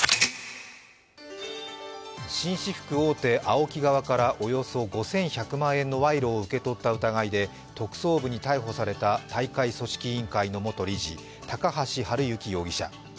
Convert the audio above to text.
紳士服大手・ＡＯＫＩ側からおよそ５１００万円の賄賂を受け取った疑いで特捜部に逮捕された大会組織委員会の元理事、高橋治之容疑者。